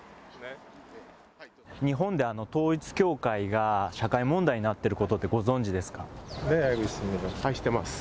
日本で統一教会が社会問題になっていることってご存じですかはい、知ってます。